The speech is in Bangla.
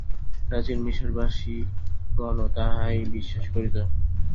প্রাচীন মিশরবাসিগণও তাহাই বিশ্বাস করিত।